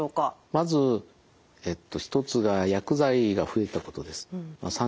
まず一つが薬剤が増えたことです。